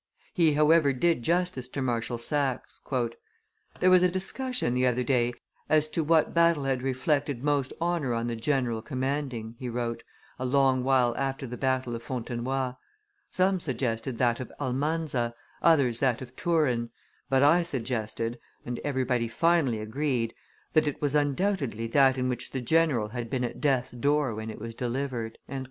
He, however, did justice to Marshal Saxe: "There was a discussion the other day as to what battle had reflected most honor on the general commanding," he wrote, a long while after the battle of Fontenoy; "some suggested that of Almanza, others that of Turin; but I suggested and everybody finally agreed that it was undoubtedly that in which the general had been at death's door when it was delivered."